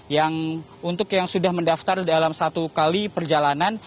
yang untuk yang sudah mendaftar dalam satu kali perjalanan